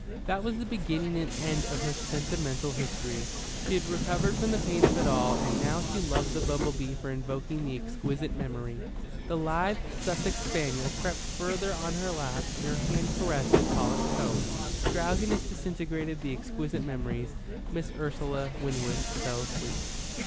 That was the beginning and end of her sentimental history. She had recovered from the pain of it all and now she loved the bumble bee for invoking the exquisite memory. The lithe Sussex spaniel crept farther on her lap and her hand caressed his polished coat. Drowsiness disintegrated the exquisite memories. Miss Ursula Winwood fell asleep.